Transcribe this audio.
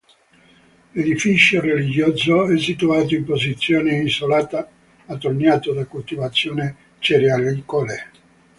L'edificio religioso, è situato in posizione isolata attorniato da coltivazioni cerealicole.